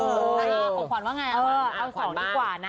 ของขวัญว่าไงเออเอาขวัญดีกว่านะ